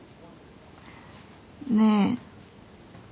ねえ。